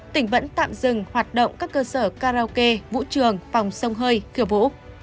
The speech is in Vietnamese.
tỉnh vẫn tạm dừng hoạt động các cơ sở karaoke vũ trường phòng sông hơi khiêu vũ